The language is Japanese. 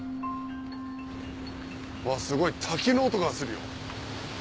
わっすごい滝の音がするよ。